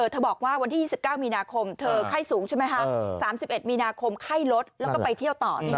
บอกว่าวันที่๒๙มีนาคมเธอไข้สูงใช่ไหมคะ๓๑มีนาคมไข้ลดแล้วก็ไปเที่ยวต่อ